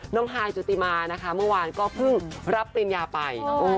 น้องไฮจุติมามื้อวานก็เพิ่งรับปริญญาไป